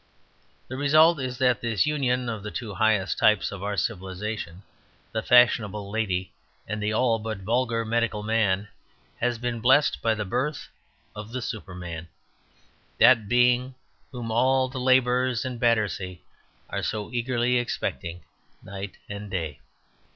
The result is that this union of the two highest types of our civilization, the fashionable lady and the all but vulgar medical man, has been blessed by the birth of the Superman, that being whom all the labourers in Battersea are so eagerly expecting night and day.